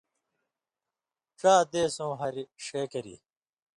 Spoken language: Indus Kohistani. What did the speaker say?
ڇا دیسؤں ہار ݜے کری۔